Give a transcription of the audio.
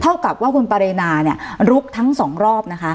เท่ากับว่าคุณปรินาเนี่ยลุกทั้งสองรอบนะคะ